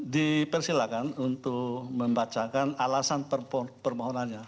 di persilahkan untuk membacakan alasan permohonannya